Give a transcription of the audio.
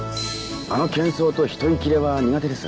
あの喧噪と人いきれは苦手です。